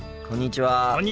こんにちは。